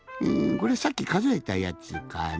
これさっきかぞえたやつかな？